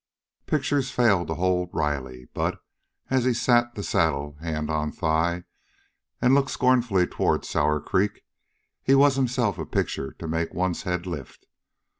Pictures failed to hold Riley, but, as he sat the saddle, hand on thigh, and looked scornfully toward Sour Creek, he was himself a picture to make one's head lift.